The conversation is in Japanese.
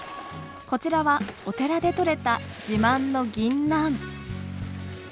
こちらはお寺でとれた自慢のぎんなん。